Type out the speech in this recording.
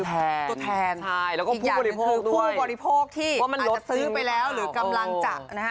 ตัวแทนใช่แล้วก็ผู้บริโภคด้วยอีกอย่างหนึ่งคือผู้บริโภคที่อาจจะซื้อไปแล้วหรือกำลังจะ